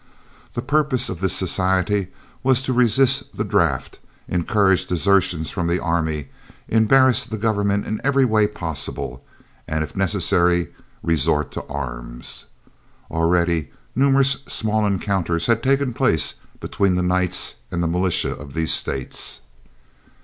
The purpose of this society was to resist the draft, encourage desertions from the army, embarrass the government in every way possible, and if necessary resort to arms. Already numerous small encounters had taken place between the Knights and the militia of these states.